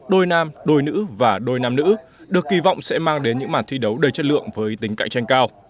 đôi nam đôi nữ và đôi nam nữ được kỳ vọng sẽ mang đến những màn thi đấu đầy chất lượng với tính cạnh tranh cao